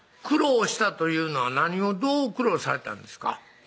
苦労したというのは何をどう苦労されたんですか？